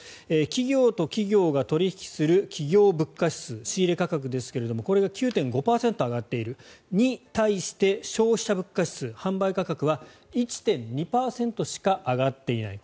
企業と企業が取引する企業物価指数仕入れ価格ですがこれが９．５％上がっているそれに対して消費者物価指数販売価格は１．２％しか上がっていない。